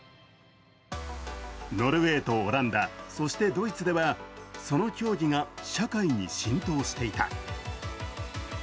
ノルウェーとオランダ、そしてドイツではその競技が社会に浸透していた。